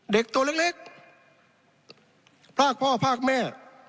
เด็กตัวเล็กพรากพ่อพรากแม่